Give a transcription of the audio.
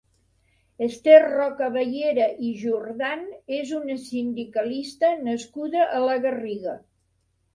Ester Rocabayera i Jordan és una sindicalista nascuda a la Garriga.